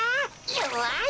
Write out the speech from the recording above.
よし！